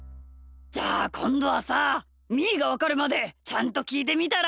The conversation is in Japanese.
じゃあこんどはさみーがわかるまでちゃんときいてみたら？